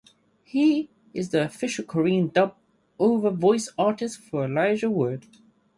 He is the official Korean dub-over voice artist for Elijah Wood.